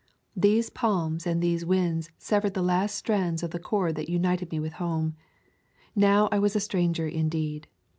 These palms and these winds severed the last strands of the cord that united me with home. Now I was a stranger, indeed.